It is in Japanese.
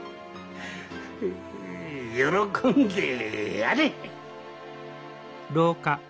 喜んでやれ。